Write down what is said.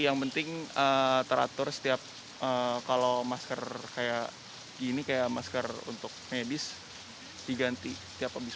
yang penting teratur setiap kalau masker kayak gini kayak masker untuk medis diganti tiap habis